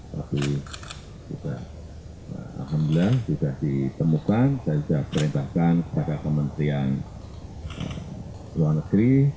tapi alhamdulillah sudah ditemukan dan sudah perintahkan kepada kementerian luar negeri